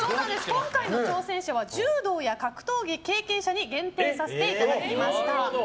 今回の挑戦者は柔道や格闘技経験者に限定させていただきました。